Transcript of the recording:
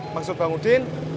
maksud bang udin